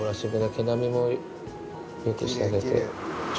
毛並みも良くしてあげて。